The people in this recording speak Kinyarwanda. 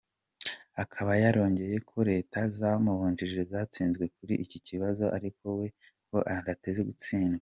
Akaba yarongeyeho ko Leta zamubanjirije zatsinzwe kuri iki kibazo ariko we ngo ntateze gutsindwa.